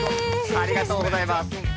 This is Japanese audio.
ありがとうございます。